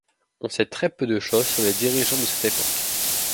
On sait très peu de choses sur les dirigeants de cette époque.